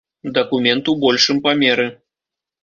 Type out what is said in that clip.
Дакумент у большым памеры.